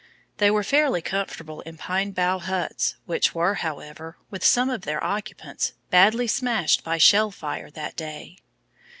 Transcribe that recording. They were fairly comfortable in pine bough huts which were, however, with some of their occupants, badly smashed by shell fire that day.